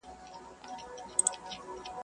کرنه د غریبانو ملګرې ده.